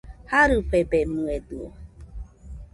Jarɨfebemɨedɨo